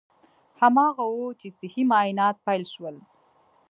هماغه و چې صحي معاینات پیل شول.